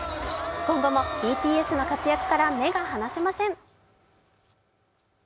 今後もＢＴＳの活躍から目が離せません。